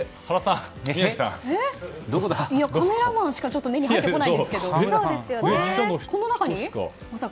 カメラマンしか目に入ってこないですけど。